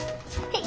はい。